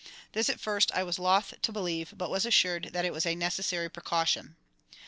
This, at first, I was loth to believe, but was assured that it was a necessary precaution.